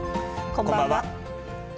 こんばんは。